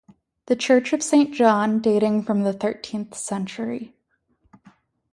The church of Saint John, dating from the thirteenth century.